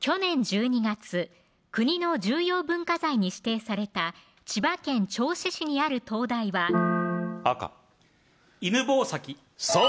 去年１２月国の重要文化財に指定された千葉県銚子市にある灯台は赤犬吠埼そう